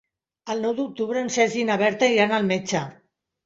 El nou d'octubre en Sergi i na Berta iran al metge.